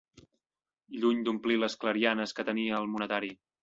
Lluny d'omplir les clarianes que tenia el monetari